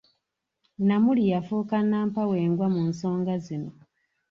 Namuli yafuuka nnampawengwa mu nsonga zino.